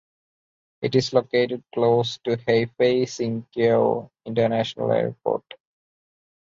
It is located close to Hefei Xinqiao International Airport.